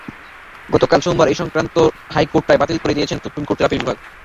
গতকাল সোমবার এ-সংক্রান্ত হাইকোর্টের রায় বাতিল করে দিয়েছেন সুপ্রিম কোর্টের আপিল বিভাগ।